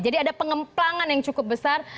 jadi ada pengembangan yang cukup besar